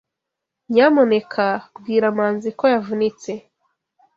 Nyamuneka bwira Manzi ko yavunitse.